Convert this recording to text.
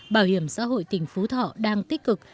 bảo hiểm xã hội tỉnh phú thọ đang tích cực